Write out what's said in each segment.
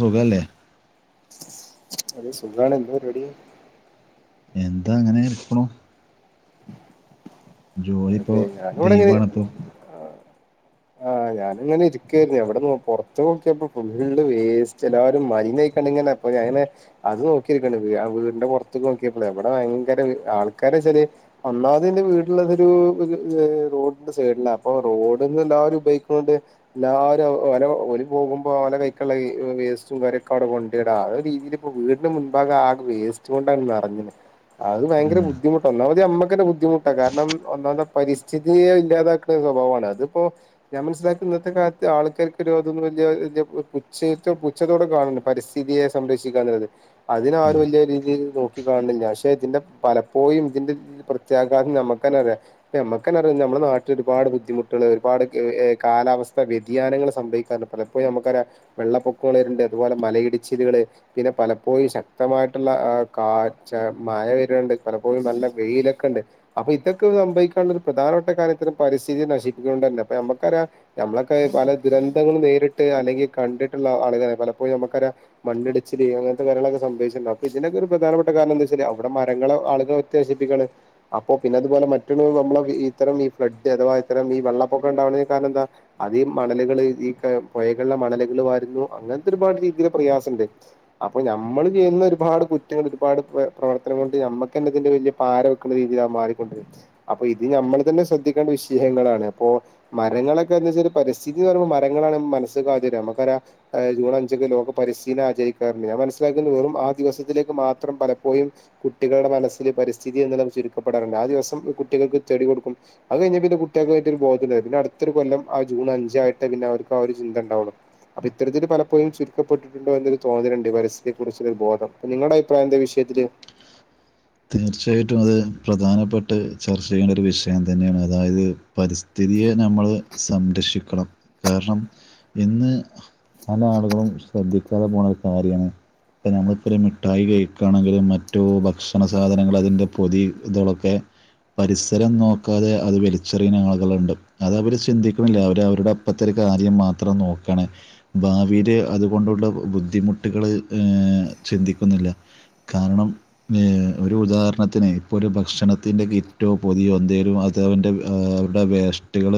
സുഖല്ലേ? അതെ സുഖാണ് എന്തപരിപാടി? എന്താ അങ്ങനൊയിരിക്കുണു. അത ഇപ്പോ ഇവിടെ എങ്ങനെ ലീവാണിപ്പോ ആഹ് ഞാനിങ്ങനെ ഇരിക്കായിരുന്നു എവിടെന്ന് പുറത്ത് നോക്കിയപ്പോ പള് വേസ്റ്റ് എല്ലാവരും മ അത് നോക്കിരിക്ക വീടിന്റെ പുറത്ത നോക്കിയ എവിടെ ഭയങ്കര ആൾ ക്കാരേച്ചാൽ ഒന്നാമത് ഇന്റെ വീ റോഡിന്റെ ആ സൈഡില്ലാ പോകുമ്പോ അവല കൈക്കുള്ള വേസ്റ്റ കാര്യൊക്കെ അവിടെ കൊണ്ടിടാം രീതിൽ ഇ വീടിന് മുൻപാകാതെ ആ വേസ്റ്റ് കൊണ്ടാണ് നിറഞ്ഞെത് അത് ഭയങ്കര ഉം, ബുദ്ധിമുട്ട് ഒന്നാമത് അമ്മക്കന്റെ ബുദ്ധിമുട്ടാ കാരണം. ഒന്നാത് പരിസ്ഥിതിയെ ഇല്ലാതാക്കുന്ന സ്വഭാവമാണ് അതിപ്പോ ഞാൻ മനസ്സിലാക്കും ഇന്നത്തെ കാലത്ത് ആൾക്കാർക്ക്. പുച്ഛത്തോടെ പരിസ്ഥിതിയെ സംരക്ഷിക്കുക എന്നത് അതിന്. ഒരു ഉം. വലിയ രീതിയിൽ നോക്കി കാണുന്നില്ല പക്ഷെ ഇതിന്റെ പലപ്പോഴും ഇതിന്റെ പ്രത്യാഘാതം നമുക്ക് തന്നെ അറിയാം. നമ്മക്കന്നെഅറിയ നമ്മുടെ നാട്ടിൽ ഒരുപാട് ബുദ്ധിമുട്ടുകൾ ഒരുപാട് എ ഏ കാലാവസ്ഥ വ്യതിയാനങ്ങൾ സംഭവി പല പലപ്പോഴും നമുക്കറിയാം വെള്ളപ്പൊക്കൾ അതുപോലെ മലയിടിച്ചിലുകള് പിന്നെ പലപ്പോഴും ശക്തമായ. യിട്ടുള്ള കാറ്റ മഴ വരുണ്ട് പലപ്പോഴും നല്ല വെയിലൊക്കെണ്ട് അപ്പൊ ഇ സംഭവിക്കാനുള്ള ഒരു പ്രധാനപ്പെട്ട കാര്യത്തിൽ പരിസ്ഥിതി നശിപ്പിക്കണ്ട്ന്നെല്ലെ അപ്പ നമുക്കറിയ നമ്മളക്കെ പല ന്തങ്ങ നേരിട്ട് അല്ലെങ്കിൽ കണ്ടിട്ടുള്ള ആളുകൾ പലപ്പോഴും നമുക്കറിയ മണ്ണിടിച്ചില് അങ്ങനത്തെ. കാര്യങ്ങളൊക്കെ സ സ [unintelligible] ഇതിന്നെഒക്കെ ഒരു പ്രധാനപ്പെട്ട കാരണം എന്താ വെച്ചൽ അവിടെ മരങ്ങൾ ആളുകൾഒക്കെ നശിപ്പിക്കാണ് അപ്പോപിന്നെഇ ഇതുപോലെ മറ്റുള്ള നമ്മള് ഇത്തരം ഈ ഫ്ലഡ് അഥവാ ഇത്തരം ഈ വെള്ളപ്പൊക്കം ഉണ്ടവ്ണകാരണം എന്താ അത് ഈ മണൽ. നമ്മൾ ഈ ക പുഴ പുഴകളിലെമണലുകൾ വരുന്നു അങ്ങനത്തെഒരുപാട് രീതി പ്രയാസണ്ട് അപ്പോ നമ്മൾ. ചെയ്യുന്ന ഒരുപാട് കുറ്റങ്ങൾ ഒരുപാട് പ്ര പ്രവർത്തനം കൊണ്ട് നമ്മുക്ക് തന്നെ ഇതിന്റെ വലിയ പാര വെക്കുന്ന രീതിയിൽ മാറി. അപ്പൊ ഇത് നമ്മൾ തന്നെ ശ്രദ്ധിക്കേണ്ട വിഷയങ്ങളാണ് അപ്പോ മരങ്ങളൊക്കെ എന്താച്ചൽ പരിസ്ഥിതി. മരങ്ങളാണ് മനസ്സ്ക്ക് ആദ്യം വര നമുക്ക് ആ ജൂൺ അച്ക്ക് ലോക പരിസ്ഥിതി ആചരിക്കാറുണ്ട് ഞാൻമനസിലാക്ക മ്മ് വെറും ആ ദിവസത്തിലേക്ക് മാത്രം പലപ്പോഴും കുട്ടികളുടെ മനസ്സിൽ പരിസ്ഥിതി എന്നത് ചുരുക്കപ്പെടാറുണ്ട്. ആ ദിവസം കുട്ടികൾക്ക് ചെടി കൊടുക്കും അത് കഴിഞ്ഞപിന്നെ കുട്ടികൾക്ക് അത് ബോധമില്ല പിന്നെ അടുത്തൊരു കൊല്ലം ആ ജൂൺ അഞ്ച്. ഞ്ചായിട്ട് പിന്നെ അവർക്ക് ആ ഒരു ചിന്ത ഉണ്ടാവൊള്ളു. അപ്പൊ ഇത്തരത്തില് പലപ്പോഴും ചുരുക്കപ്പെട്ടിട്ടുണ്ടോ എന്നൊരുതോന്നൽണ്ട്പരിസ്ഥതിയെ ക്കുറിച്ച് ഒരു ബോധം നിങ്ങളുടെ അഭിപ്രായ എന്ത ഈ വിഷ യത്തിൽ. തീർച്ചയായിട്ടും അത് പ്രധാനപ്പെട്ടൊരു ചർച്ച ചെയ്യേണ്ട ഒരു വിഷയം തന്നെയാണ് അതായത് പരിസ്ഥി. തിയെ നമ്മള് സംരക്ഷിക്കണം കാരണം ഇന്ന്. പല ആളുകളും ശ്രദ്ധിക്കാതെ പോണ ഒരു കാര്യാണ്. ഇപ്പ നമ്മക്കൊരു മിഠായി കഴിക്കാണെങ്കിൽ മറ്റോ ഭക്ഷ ഭക്ഷണ സാധനങ്ങൾ അതിൻ്റെ പൊതി ഇതളൊക്കെ. പരിസരം നോക്കാതെ അത് വലിച്ചെറിയുന്ന ആളുകളുണ്ട് അത് അവര് ചിന്തിക്ക്ണില്ല അവര് അവരുടെ അപ്പത്ത കാര്യം മാത്രം നോക്കണേ ഭാവിൽ അതുകൊണ്ടുള്ള ബു ബുദ്ധിമുട്ടുകൾഏ. ചിന്തിക്കുന്നില്ല കാരണം. ഏ ഒരു ഉദാഹരണത്തിന് ഇപ്പോ ഒരു ഭക്ഷണത്തിൻ്റെകിറ്റൊ പൊതിയോ എന്തേലും അത് അവന്റെ ആ ട്ട വേസ്റ്റുകൾ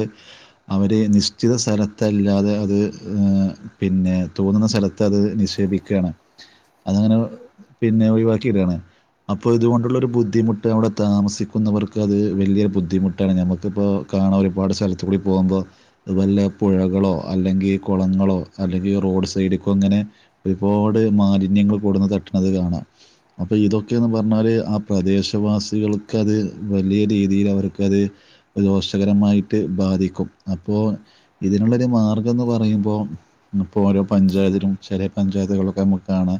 അവര് നിശ്ചിത സ്ഥലത്തല്ലാതെ അത് ഏ പിന്നെ. തോന്നുന്ന സ്ഥലത്ത് അത് നിക്ഷേപിക്കായാണ് അതങ്ങനെ പിന്നെ ഒഴിവാക്കിയിടാണ്. അപ്പോ ഇതുകൊണ്ടുള്ളൊരു ബുദ്ധിമുട്ട് അവിടെ താമസിക്കുന്നവർക്ക് അത് വലിയൊരു ബുദ്ധിമുട്ടാണ് നമുക്കിപ്പോ കാണാൻ ഒരുപാട് സ്ഥലത്ത് കൂടി പോകുമ്പോ അതുപോല പുഴകളോ അല്ലെങ്കിൽ കുളങ്ങളോ അല്ലെങ്കിൽ റോഡ് സൈഡിക്കോ ഇങ്ങനെ ഒരുപാട്. പാട് മാലിന്യങ്ങൾ കൊടുന്ന് തട്ട്ണത് കാണാം അപ്പൊ ഇതൊക്കെ ന്ന് പറഞ്ഞാല് ആ പ്രദേശവാസികൾക്ക്ത് വലിയ രീതിയിൽ അവർക്കത് ദോഷ ഷകരമായിട്ട് ബാധിക്കും അപ്പോ ഇതിനുള്ളൊരു മാർഗ്ഗം എന്ന് പറയുമ്പോൾ ഇപ്പോ ഓരോ പഞ്ചായത്തിലും ചെറിയ പഞ്ചായത്തുകളൊക്കെ നമുക്ക് കാണം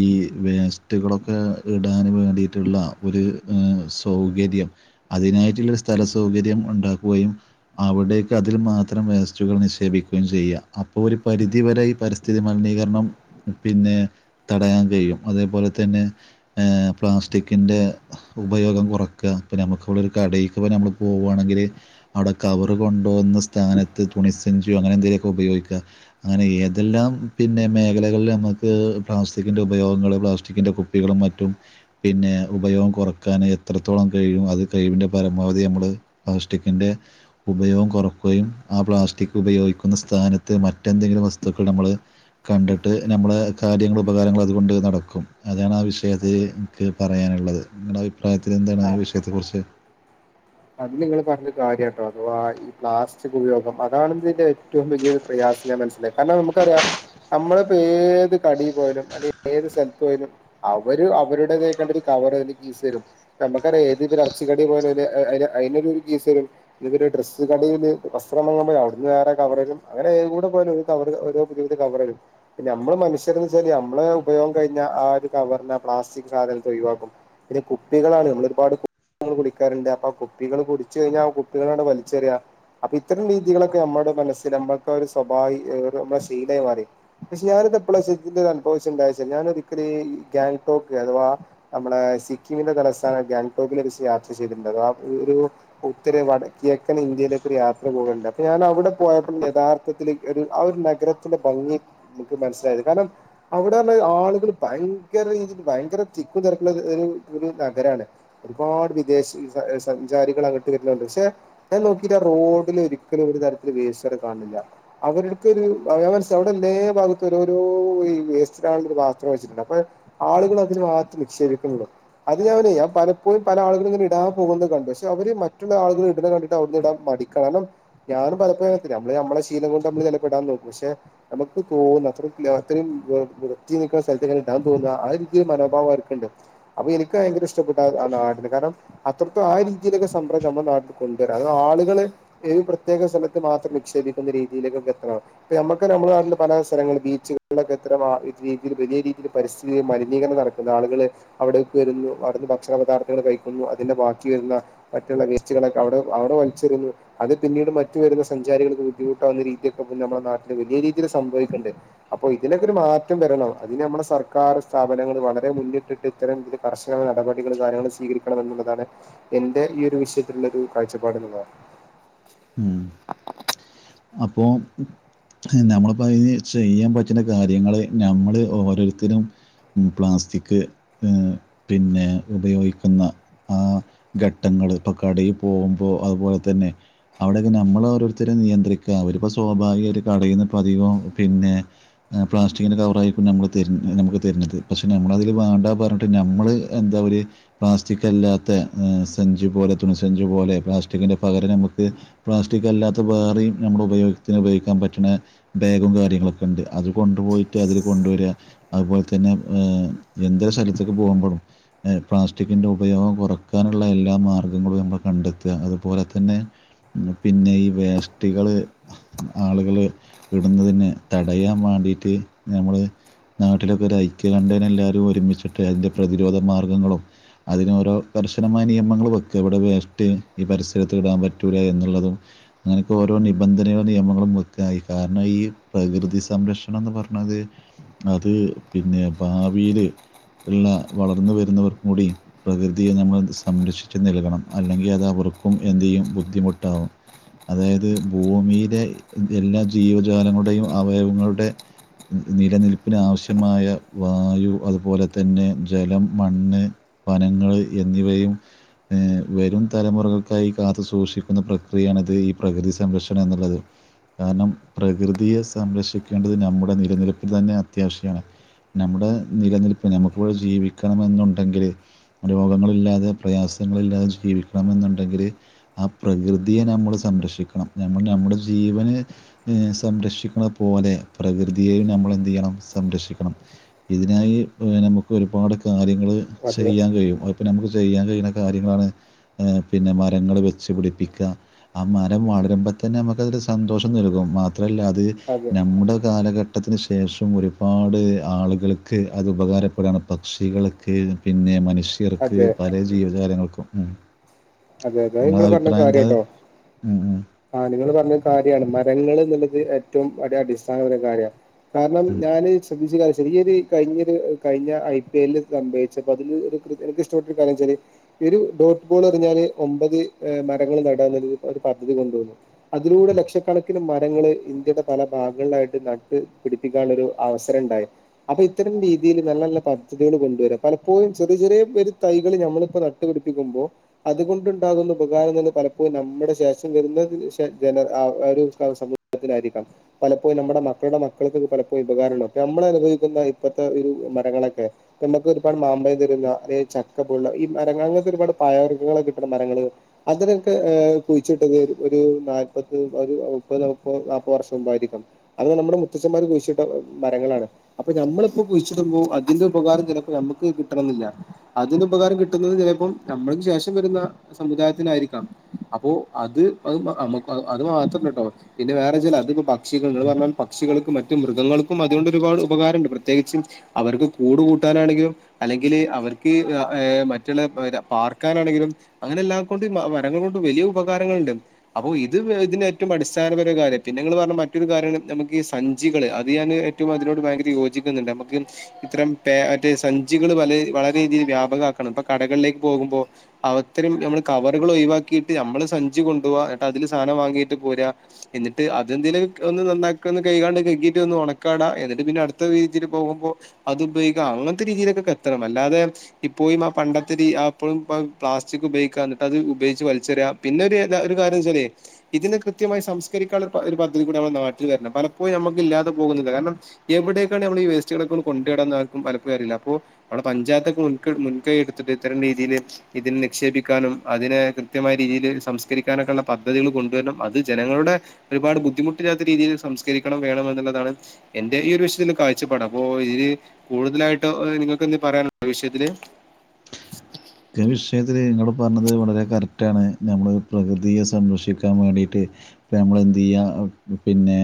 ഈ വേസ്റ്റുകളൊക്കെ. ഇടാൻ വേണ്ടിയിട്ടുള്ള ഒരു ഏ സൗകര്യം അതിനായിട്ടുള്ളരു സ്ഥല സൗകര്യം. ഉണ്ടാക്കുകയും അവിടേക്ക് അതിൽ മാത്രം വേസ്റ്റുകൾ നിക്ഷേപിക്കുകയും ചെയ്യ അപ്പോ ഒരു പരിധി ഇതുവരെ ഈ പരിസ്ഥിതി മലിനീകരണം പിന്നെ തടയാൻ കഴിയും അതേപോലെ തന്നെ. ഏ പ്ലാസ്റ്റിക്കിൻ്റെ ഉപയോഗം കുറയ്ക്ക പിന്നെ നമുക്ക് അവിടെ ഒരു കടീക്ക് ഒക്കെ നമ്മൾ പോവുവായാണെങ്കിൽ. ങ്കിൽ അവിടെ കവറ് കൊണ്ടുവന്നസ്ഥാനത്ത് തുണിസെഞ്ചു അങ്ങനെ എന്തെങ്കിലുമൊക്കെ ഉപയോഗിക്കുക അങ്ങനെ. ഏതെല്ലാം പിന്നെ മേഖലകളിൽ നമക്ക് പ്ലാസ്റ്റിക്കിന്റെ ഉപയോഗങ്ങൾ പ്ലാസ്റ്റിക്കിന്റെ കുപ്പികളും മറ്റു റ്റും പിന്നെ ഉപയോഗം കുറക്കാൻ എത്രത്തോളം കഴിയും അത് കഴിവിന്റെ പരമാവധി നമ്മൾ പ സ്റ്റിക്കിന്റെ ഉപയോഗം കുറക്കുകയും ആ പ്ലാസ്റ്റിക് ഉപയോഗിക്കുന്ന സ്ഥാനത്ത് മറ്റെന്തെങ്കിലും വസ് ത്തുക്കൾ നമ്മൾ കണ്ടിട്ട് നമ്മെളെ കാര്യങ്ങൾ ഉപകാരങ്ങൾ അതുകൊണ്ട് നടക്കും അതാണ് ആവിഷ യത്തിൽ അതെ എനിക്ക് പറയാനുള്ളത് നിങ്ങളുടെ അഭിപ്രായത്തിൽ എന്താണ് ആ ഈ വിഷയത്തെക്കുറിച്ച്. അത് നിങ്ങള്പറഞ്ഞത് കാര്യട്ടോ അഥവാ ഈ പ്ലാസ്റ്റിക് ഉപയോഗം അതാണതിന്റെ. ഏറ്റവും വലിയൊ പ്രയാസഞാൻ മനസ്സിലായി കാരണം നമുക്കറിയാം. നമ്മളിപ്പോ ഏത് കടിയി പോയലും അല്ലെ ഏത് സ്ഥലത്ത് പോലും അവര് അവരുടേതായിക്കണ്ട ഒരു കാ അവരുംകീസ് തെരും നക്ക ഏത് അറച്ച കടി പോലെ അ [unintelligible] അതിനൊരു കീസരും ഇനി ഒരു ഡ്രസ്സ് കടേന്ന് വസ്ത്രം വാങ്ങാ പോയ അവിടുന്ന് വേറെ കവറരും അ ഓരോ [unintelligible] കവറരും നമ്മള് മനുഷ്യര്ന്ന് വെച്ചാല് നമ്മള് ഉപയോഗം കഴിഞ്ഞ ആ ഒരു കവ തരുന്ന പ്ലാസ്റ്റിക് സാധനത്തെ ഒഴിവാക്കും പിന്നെ കുപ്പികളാണ് നമ്മൾ ഒരുപാട് കുപ്പികളൽ കുടിക്കാറുണ്ട് അപ്പ കുപ്പികൾ കുടിച്ച് കഴിഞ്ഞാ ആ കുപ്പികളങ്ങട് വലിച്ചെറിയാ അപ്പൊ ഇത്തരം രീതികളൊക്കെ നമ്മുടെ മനസ്സിൽ നമ്മക്ക് ഒരു സ്വഭാവ നമ്മ ശീലായി മാറി പക്ഷെ ഞാനൊ ഇതെപ്പളച്ചാ ശെരിക്കും ഇത് അനുഭവിച്ച്ണ്ടായച്ച ഞാന് ഒരിക്കല് ഗാംഗ്ടോക്ക് അഥവാ നമ്മടെ സിക്കിമി തലസ്ഥാന ഗാംഗടോക്കിൽച്ച് യാത്ര ചെയ്തിട്ട്ണ്ട് അതാ ഒരു ഒത്തിരി വടക്ക് കിഴക്കൻ ഇന്ത്യയിലേക്ക് ഒരു യാത്ര പോകുണ്ട് അപ്പൊ ഞാൻ അവിടെ പോയപ്പോൾ യഥാർത്ഥ ആ ഒരു നഗരത്തിന്റെ ഭംഗി നിക്ക് മനസ്സിലായത് കാരണം അവിടെള്ള ആളുകൾ ഭയര നിക്കാ രീതില് ഭയങ്കര തിക്കു തിരക്കുള്ള ഒരു ഒരു ഒരു നഗരാണ് ഒരുപാട് വിദേശ സഞ്ചാരികൾ അങ്ങട്ട് വരുന്ന്ണ്ട് പക്ഷെ ഞാൻ നോക്കിയിട്ട് റോഡിൽ ഒരിക്കലും ഒരു തരത്തിൽ വേസ്റ്റ് അവിടെ കാണില്ല അവരടുക്ക ഒരു മനസ് അവിടെല്ലേ ഭാഗത്ത് ഓോരോ ഈ വേസ്റ്റുള്ള ഒരു പാത്രം വെച്ചിണ്ട് അപ്പൊ ആളുകൾ അതിന് മാത്രം നിക്ഷേപിക്കുന്നുള്ളൂ അത് ഞാൻ അവിടെയും പലപ്പോഴും പല ആളുകളും ഇങ്ങനെ ഇടാ പോകുന്നത് കണ്ടു പക്ഷെ അവര് മറ്റുള്ള ആളുകൾ ഇടണ കണ്ടിട്ട് അതില് ഇടാൻ മടി കാരണം ഞാനും പലപ്പോഴും ഓർത്ത് നമ്മള് നമ്മുടെ ശീലം കൊണ്ട് നമ്മൾ അതിലടാൻ നോക്കും പക്ഷെ നമുക്ക് തോന്നും അത്രേം വൃത്തി നോക്കുന്ന സ്ഥലത്തെ ഇടാൻ തോന്നാ ആ രീതിക്ക് മനോഭാവം അവർക്കുണ്ട് അപ്പൊ എനിക്ക് ഭയങ്കര ഇഷ്ടപ്പെട്ട ആ നാടിന് കാരണം അത്രത്തെ ആ രീതിയിലൊക്കെ സംരംഭം നമ്മുടെ നാട്ടിൽ കൊണ്ടുവരാം അത് ആളുകള് ഒരു പ്രത്യേക സ്ഥലത്ത് മാത്രം നിക്ഷേ പിക്കുന്ന രീതിയിലേക്കൊക്കേ എത്തണം ഇപ്പെ നമുക്ക് നമ്മുടെ നാട്ടിൽ പല സ്ഥലങ്ങളിൽ ബീച്ചുകളിലൊക്കെ എത്തുന്ന ആ രീതിയിൽ വലിയ രീതിയില് പരിസ്ഥിതി മലിനീകരണം നടക്കുന്ന ആളുകള് അവിടേക്ക് വരുന്നു അവിടുന്ന് ഭക്ഷണ പദാർത്ഥങ്ങൾ കഴിക്കുന്നു അതിന്റെ ബാക്കി വരുന്ന മറ്റുള്ള വേസ്റ്റുകളൊക്കെ അവിടെ അവിടെ വലിച്ചെറിയുന്നു അത് പിന്നീട് മറ്റു വരുന്ന സഞ്ചാരികള് ബുദ്ധിമുട്ടാവുന്ന രീതിയൊക്കെ ഇപ്പൊ നമ്മുടെ നാട്ടില് വലിയ രീതിൽ സംഭവിക്കണ്ട് അപ്പോ ഇതിനൊക്കെ ഒരു മാറ്റം വരണം പിന്നെ നമ്മുടെ സർക്കാർ സ്ഥാപനൾ വളരെ മുന്നിട്ടിട്ട് ഇത്തരം ഇതിൽ കർശന നടപടികൾ കാര്യങ്ങൾ സ്വീകരിക്കണം എന്നുള്ള താണ് ഇന്റെ ഈ ഒരു വിഷയത്തിലുള്ള ഒരു കാഴ്ചപ്പാട് എന്നുള്ളതാ ഉം അപ്പോ നമ്മളപ്പോ അയ്ന് ചെയ്യാൻ പറ്റുന്ന കാര്യങ്ങള് നമ്മള് ഓരോരുത്തരും ഉ പ്ലാസ്റ്റിക് പിന്നെ ഉപയോഗിക്കുന്ന ആ ഘട്ടങ്ങ മ്മള് ഇപ്പൊ കടയിൽ പോകുമ്പോ അതുപോലെ തന്നെ അവിടെയൊക്കെ നമ്മള് ഓരോരുത്തരെ നിയന്ത്രിക്കുക അവരിപ്പോ സ്വാഭാവികയിട്ട് കടേന്ന് പതിവോ പിന്നെ പ്ലാസ്റ്റിക്കിന്റെ കവറായിരിക്കും നമ്മൾ നമുക്ക് തരുന്നത് പക്ഷേ നമ്മളതിന് വേണ്ടാ പറഞ്ഞിട്ട് നമ്മള് എന്താ പ പ്ലാസ്റ്റിക്ക് അല്ലാത്ത സഞ്ചി പോലെ തുണിസഞ്ചി പോലെ പ്ലാസ്റ്റിക്കിന്റെ പകരം നമുക്ക് പ്ലാസ്റ്റിക് അല്ലാത്ത വേറെയും നമ്മുടെ ഉപയോഗത്തിന് ഉപയോഗിക്കാൻ പറ്റണ ബാഗും കാര്യങ്ങളൊക്കെ ഉണ്ട് അതുകൊ കൊണ്ടുപോയിട്ട് അതില് കൊണ്ടുവരാ അതുപോൽതന്നെ ഏ എന്തൊരു സ്ഥലത്തേക്ക് പോകുമ്പോഴും പ്ലാസ്റ്റിക്കിൻ്റെ ഉപയോഗം കുറക്കാനുള്ള എല്ലാ മാർഗങ്ങളും നമ്മൾ കണ്ടെത്തുക അതുപോലെ തന്നെ പിന്നെ ഈ വേസ്റ്റുകള് ആളുകള് ഇടുന്നതിന് തടയാൻ വേണ്ടി ക്കീട്ട് നമ്മള് നാട്ടിലൊക്കെ ഒരു ഐക്യകണ്ടേനാ എല്ലാരും ഒരുമിച്ചിട്ട് അതിന്റെ പ്രതിരോധ മാർഗങ്ങളും അതിന് ഓരോ കർശനമായ നിയമങ്ങളും വെക്കാ ഇവിടെ വേസ്റ്റ് ഈ പരിസരത്ത് ഇടാൻ പറ്റും എന്നുള്ളതും അങ്ങനൊക്കെ ഓരോ നിബന്ധനും നിയമങ്ങളും വെക്കാ കാരണം ഈ പ്രകൃതിസം സംരക്ഷണം എന്ന് പറ്ണത് അത് പിന്നെ ഭാവിയില് ഉള്ള വളർന്നു വരുന്നവർക്കും കൂടി പ്രകൃതിയെ നമ്മൾ സംരക്ഷിച്ച് നൽകണം അല്ലെങ്കിൽ അതവ ർക്കും എന്തിയും ബുദ്ധിമുട്ടാവും അതായത് ഭൂമിയിലെ എല്ലാ ജീവജാലങ്ങളുടെയും അവയവങ്ങളുടെ നിലനിൽപ്പിനാവശ്യമായ വായു അതുപോലെ തന്നെ ജലം മണ്ണ് വനങ്ങൾ എന്നിവയും ഏ വരും തലമുറകൾക്കായി കാത്തു സൂക്ഷി ക്കുന്ന പ്രക്രിയയാണ് ഇത് ഈ പ്രകൃതി സംരക്ഷണം എന്നുള്ളത് കാരണം പ്രകൃതിയെ സംരക്ഷിക്കേണ്ടത് നമ്മുടെ നിലനിൽപ്പിൽ തന്നെ അത്യാവശ്യാണ് നമ്മുടെ നിലനിൽപ്പ് നമുക്കിവിടെ ജീവിക്കണമെന്നുണ്ടെങ്കില് രോഗങ്ങളില്ലാതെ പ്രയാസ സങ്ങളില്ലാതെ ജീവിക്കണമെന്നുണ്ടെങ്കില് ആ പ്രകൃതിയെ നമ്മൾ സംരക്ഷിക്കണം നമ്മൾ നമ്മുടെ ജീവനെ സംരക്ഷിക്കുന്നത് പോലെ പ്രകൃതിയെ നമ്മളെന്തു ചെയ്യണം സംരക്ഷിക്കണം ഇതിനായി പിന്നെ നമുക്ക് ഒരുപാട് കാര്യങ്ങളെ അതെ ചെയ്യാൻ കഴിയും അതുപിന്നെ നമുക്കെ ചെയ്യാൻ കഴിയുന്ന കാര്യങ്ങളാണ് ങേപിന്നെ മരങ്ങളു വെച്ച് വെച്ച് പിടിപ്പിക്കുക ആ മരം വളരുമ്പത്തന്നെ നമുക്കതൊരു സന്തോഷം നൽകും അത്രല്ല അത് അതെ നമ്മുടെ കാലഘട്ട് ട്ടത്തിന് ശേഷം ഒരുപാട് ആളുകൾക്ക് അത് ഉപകാരപ്പെടുകാണ് പക്ഷികൾക്ക് പിന്നെ മനഷ്യ മനുഷ്യർക്ക് അതെ പല ജീവജാലങ്ങൾക്കും ഉ അതെ അതെ ആയിങ്ങൾ പറഞ്ഞ കാര്യാട്ടോ ഉം, ഉം, ആ നിങ്ങള് പറ കാര്യാണ് മരങ്ങള് എന്നുള്ളത് ഏറ്റവും അടിസ്ഥാന കാര്യാ കാരണം ഉം. ഞാനീ ശ്രെദ്ദിച്ച ചെറിയൊരി കഴിഞ്ഞൊരു കഴിഞ്ഞ ഐ പി എല്ലു സംഭവിച്ചപ്പോ അതില് എനക്ക് ഇഷ്ടപ്പെട്ടൊരു കാര്യം ഒരു ഡോട്ട്ബോളെറിഞ്ഞാല് ഒമ്പതെ ഏ മരങ്ങളു നടാവുന്നൊരു ഒരു പദ്ധതി കൊണ്ടുവന്നു അതിലൂടെ ലക്ഷക്കണക്കിന് മരങ്ങളെ ഇന്ത്യയുടെ പല ഭാഗങ്ങളിലായിട്ടെ നട്ടെ പിടിപ്പിക്കാനുള്ളൊരു അവസരം ഉണ്ടായി അപ്പം ഇത്തരം രീതിൽ നല്ല പദ്ധതികളെ കൊണ്ടുവരാ പലപ്പോഴും ചെറിയ ചെറിയ പേരെ തൈകൾ നമ്മളിപ്പോ നട്ടുപിടിപ്പിക്കുമ്പോൾ അതുകൊണ്ട് ണ്ടാകുന്ന ഉപകാരങ്ങളെ പലപ്പോഴും നമ്മുടെ ശേഷം വരുന്ന ജനത സമൂഹത്തിനായിരിക്കും പലപ്പോു നമ്മുടെ മക്കളുടെ മക്കൾക്ക് പലപ്പോും ഉപകാര നമ്മൾ അനുഭവിക്കുന്ന ഇപ്പഴത്തെ ഒരു മര നമുക്ക് ഒരുപാട് മാമ്പയം തരുന്ന അതെ ചക്കപോലുള്ള ഈ മരങ്ങാങ്ങൾ ഒരുപാ പായൃഗ കിട് മരങ്ങള് അതിനൊക്കെ കുഴിച്ചിട്ടത് ഒരു നാല്പതെ മുപ്പതെ മുപ്പതെ അമ്പർഷം മുമ്പാരിക്കും അത് നമ്മുടെ മുത്തച്ഛന്മാരെ കുഴിച്ചിട്ട മരങ്ങളാണ് അപ്പൊ നമ്മളിപ്പോ കുഴിച്ചിടുമ്പോ അതിന്റെ ഉപകാരം ചിലപ്പോ നമുക്ക് കിട്ടണന്നില്ല അതിന്റെ ഉപകാരം കിട്ടുന്നത് ചിലപ്പോം നമ്മൾക്ക് ശേഷം വരുന്ന സമുദായത്തിനായിരിക്കാം അപ്പൊ അത് അത് മാത്രല്ല കേട്ടോ പിന്നെ വേറേചില അതിപ്പോ പക്ഷികൾ നിങ്ങൾ പറഞ്ഞപോലെ പക്ഷികളെ മറ്റു മൃഗങ്ങൾക്കും അതുകൊണ്ട് ഒരുപാട് ഉപകാരമുണ്ട് പ്രത്യേകിച്ച് അവർക്ക് കൂട് കൂട്ടാനാണെങ്കിലും അല്ലെങ്കിലെ അവർക്ക്ഈ ഏ മറ്റുള്ള പാർക്കാനാണെങ്കിലും അങ്ങനെല്ലാം കൊണ്ട് മരങ്ങൾ കൊണ്ട് വലിയ ഉപകാരങ്ങളിണ്ട് അപ്പോ ഇത് ഇതിന്റെ ഏറ്റവും അടിസ്ഥാനപര കാര്യം പിന്നെ നിങ്ങളു പറഞ്ഞ മറ്റൊരു കാരണം നമുക്കീ സഞ്ചികളെ അത് ഞാൻ ഏറ്റവും അതിനോട് ഭയങ്കര യോജിക്കുന്നുണ്ട് നമുക്ക് ഇത്ര മറ്റേ സഞ്ചികളു വല വളരെ രീതിയിൽ വ്യാപകമാക്കണം ഇപ്പൊ കടകളിലേക്ക് പോകുമ്പോ അവ ഇത്തരം നമ്മള് കവറുകൾ ഒയി വാക്കിയിട്ട് നമ്മള് സഞ്ചി കൊണ്ടുപോവാ എന്നട്ട് അതില് സാധനം വാങ്ങിയിട്ട് പോരുവാ എന്നിട്ട് അതെന്തിനേക്കെ ഒന്ന് നന്നാക്ക ഒന്ന് കൈകാണ്ട് കഴിട്ട് ഒന്ന് ഉണക്കാടാ എന്നിട്ട് പിന്നെ അടുത്ത രീതിയിൽ പോകുമ്പോ അത് ഉപയോഗിക്ക അങ്ങനത്തെ രീതിയിലൊക്കെ എത്തണം അല്ലാതെ ഇപ്പോഴും ആ പണ്ടത്തെ രീതി ആ ഉപയോഗ എന്നിട്ട് അത് ഉപയോഗച്ച് വലിച്ചറിയ പിന്നെ ഒരു കാര്യം ഇതിനെ കൃത്യമായി സംസ്കരിക്കാനുള്ള അതൊരു പദ്ധതി കൂടെ നമ്മ നാട്ടി വരണം പലപ്പോഴും നമുക്കില്ലാതെ പോകുന്നത് കാരണം എവിടെ ക്കാണ് നമ്മളീ ഈ വേസ്റ്റുകളൊ ക്കെ ഒന്നു കൊണ്ടുപോകുന്നത് ന്നും പയഞ്ഞിട്ട് കാര്യമില്ല പലപ്പോഴും അറിയില്ല അപ്പോ നമ്മടെ പഞ്ചായത്തൊക്കെ മുൻകൈ എടുത്തിട്ട് ഇത്തരം രീതിയിൽ ഇതിനേ ക്കാനും അതിനെ കൃത്യമായ രീതിയിലെ സംസ്കരിക്കാനൊക്കെയുള്ള പദ്ധതികൾ കൊണ്ടുവരണം അത് ജനങ്ങളുടെ ഒരുപാട് ബുദ്ധിമു ബുദ്ധിമുട്ടില്ലാത്ത രീതിയിൽ സംസ്കരിക്കണം വേണം എന്നുള്ളതാണ് എന്റെ ഈ ഒരു വിശയത്തിൽ കാഴ്ചപ്പാടെ അപ്പോ ഈ കൂടുതലായിട്ടോ എനിക്കൊക്കീ എന്ത് പറയാനീവിഷയത്തില് ഈ വിഷയത്തിൽ നിങ്ങൾ പറഞ്ഞത് വളരെ കറക്റ്റാണ് നമ്മൾ പ്രകൃതിയെ സംരക്ഷിക്കാൻ വേണ്ടിയിട്ട് ഇപ്പം നമ്മളെന്ത് ചെയ്യാ പിന്നെ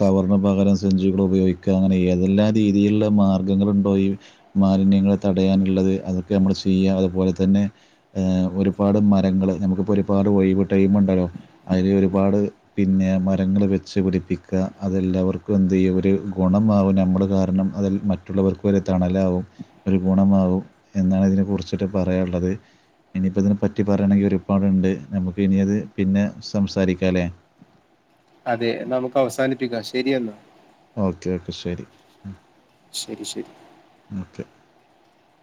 കവറിന് പകരം സെഞ്ചികൾ ഉപയോഗിക്കുക അങ്ങനെ ഏതെല്ലാ രീതിയിലുള്ള മാർഗ്ഗം മാർഗ്ഗങ്ങളുണ്ടോ ഈ മാലിന്യങ്ങളെ തടയാനുള്ളത് അതൊക്കെ നമ്മൾ ചെയ്യുക അതുപോലെ തന്നെ ഏ ഒരുപാട് മരങ്ങളെ നമുക്കിപ്പോൾ ഒരുപാട് വൈ ടൈമുണ്ടല്ലോ അതിൽ ഒരുപാട് പിന്നെ മരങ്ങൾ വെച്ച് പിടിപ്പിക്കുക അതെല്ലാവർക്കും എന്ത് ചെയ്യുക ഒരു ഗൊണം മാവു നമ്മളു കാരണം അതിൽ മറ്റുള്ളവർക്കൊരു തണലാകും ഒരു ഗുണമാവും എന്നാണ് ഇതിനെക്കുറിച്ച് കുറിച്ചിട്ട് പറയാനുള്ളത് ഇനിയിപ്പോ ഇതിനെ പറ്റി പറയണെങ്കിൽ ഒരുപാടുണ്ട് നമുക്ക് ഇനി അത് പിന്നെ സംസാരിക്കാല്ലേ അതെ നമുക്ക് അവസാനിപ്പിക്കാം ശരിയെന്നാ ഓക്കെ ഓക്കെ ശരി ശരി ശരി ഓക്കെ